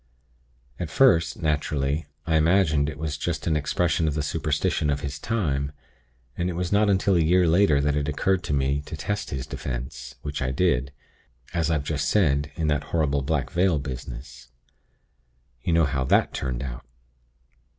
At first, naturally, I imagined it was just an expression of the superstition of his time; and it was not until a year later that it occurred to me to test his 'Defense,' which I did, as I've just said, in that horrible Black Veil business. You know how that turned out.